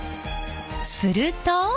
すると。